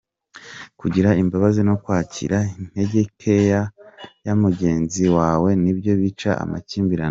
Kugira imbabazi no kwakira intege nkeya za mugenzi wawe ni byo bica amakimbirane.